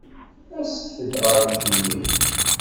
Aset-d ɣer tgemmi.